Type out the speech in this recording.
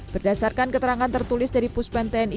berdasarkan keterangan tertulis dari puspen tni